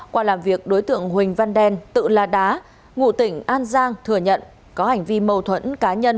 qua làm việc đối tượng huỳnh văn đen tự la đá ngụ tỉnh an giang thừa nhận có hành vi mâu thuẫn cá nhân